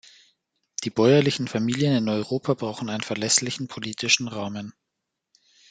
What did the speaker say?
Die bäuerlichen Familien in Europa brauchen einen verlässlichen politischen Rahmen.